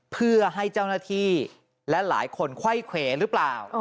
เพื่อให้เจ้าหน้าที่และหลายคนไข้เขวหรือเปล่า